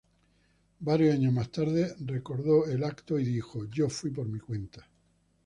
Varios años más tarde, recordó el evento y dijo:"Yo fui por mi cuenta.